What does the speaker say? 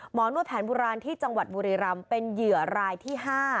นวดแผนโบราณที่จังหวัดบุรีรำเป็นเหยื่อรายที่๕